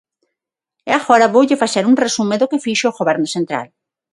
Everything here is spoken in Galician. E agora voulle facer un resume do que fixo o Goberno central.